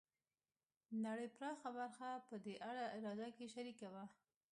د نړۍ پراخه برخه په دې اراده کې شریکه وه.